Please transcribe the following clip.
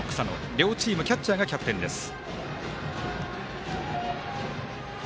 両チームキャッチャーがキャプテンです。